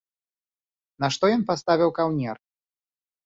Нашто ён паставіў каўнер?